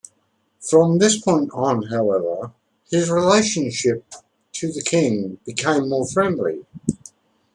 From this point on, however, his relationship to the king became more friendly.